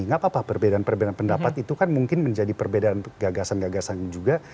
nggak apa apa perbedaan perbedaan pendapat itu kan mungkin menjadi perbedaan gagasan gagasan juga